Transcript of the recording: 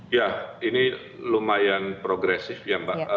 ya ini lumayan progresif ya mbak